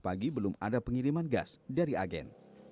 pagi belum ada pengiriman gas dari agen